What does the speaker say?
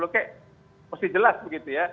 pasti jelas begitu ya